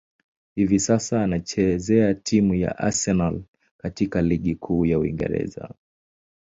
Hivi sasa, anachezea timu ya Arsenal katika ligi kuu ya Uingereza.